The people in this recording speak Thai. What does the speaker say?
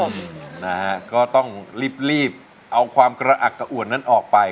สอบโปรดของความกระอกกระอวนนั้นออกไป